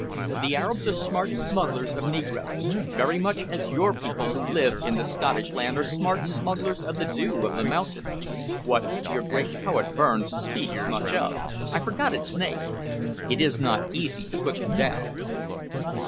The Arabs are smart smugglers of negroes very much as your people who live in the Scottish land are smart smugglers of the dew of the mountain what your great poet Burns speaks much of I forget its name it is not easy to put them down."